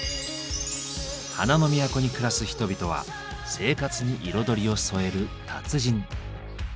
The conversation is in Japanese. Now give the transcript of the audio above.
花の都に暮らす人々は生活に彩りを添える達人。